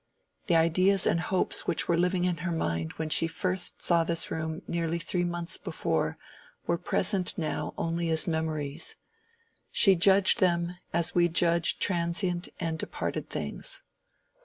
The ideas and hopes which were living in her mind when she first saw this room nearly three months before were present now only as memories: she judged them as we judge transient and departed things.